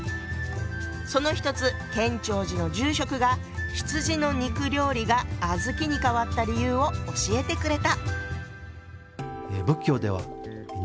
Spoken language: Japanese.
その一つ建長寺の住職が羊の肉料理が小豆に変わった理由を教えてくれた。